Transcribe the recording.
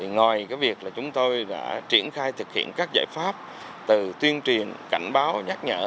ngoài việc chúng tôi đã triển khai thực hiện các giải pháp từ tuyên truyền cảnh báo nhắc nhở